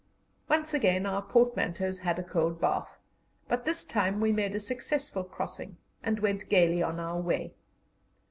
Once again our portmanteaus had a cold bath, but this time we made a successful crossing, and went gaily on our way.